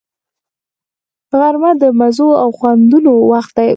غرمه د مزو او خوندونو وخت وي